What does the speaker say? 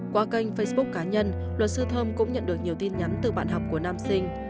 qua kênh facebook cá nhân luật sư thơm cũng nhận được nhiều tin nhắn từ bạn học của nam sinh